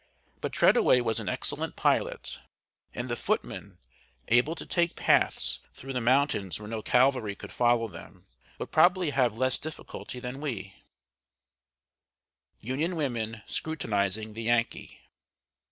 But Treadaway was an excellent pilot, and the footmen, able to take paths through the mountains where no cavalry could follow them, would probably have less difficulty than we. [Sidenote: UNION WOMEN SCRUTINIZING THE YANKEE.